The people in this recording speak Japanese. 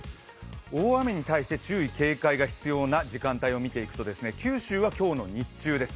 大雨に対して注意・警戒が必要な時間帯を見ていくと、九州は今日の日中です。